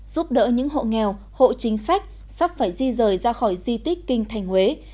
giúp đỡ những hộ nghèo hộ chính sách sắp phải di rời ra khỏi di tích kinh thành huế